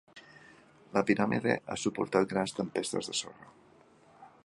La piràmide ha suportat grans tempestes de sorra.